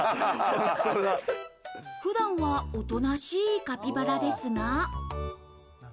普段はおとなしいカピバラですが。